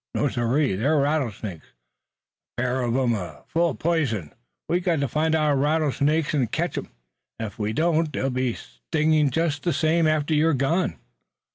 No, sirree, they're rattlesnakes, a pair uv 'em an' full uv p'ison. We've got to find our rattlesnakes an' ketch 'em. Ef we don't, they'll be stingin' jest the same after you've gone."